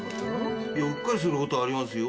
うっかりする事ありますよ。